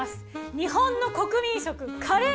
日本の国民食カレー！